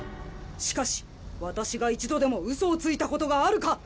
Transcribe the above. しかしワタシが一度でもウソをついたことがあるか？